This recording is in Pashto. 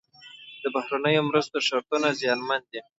د بهرنیو مرستو شرطونه زیانمن دي.